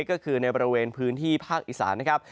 ก็คือในบริเวณพื้นที่ภาคอีสานนะครับ